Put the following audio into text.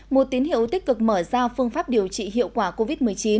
một tín hiệu tích cực mở ra phương pháp điều trị hiệu quả covid một mươi chín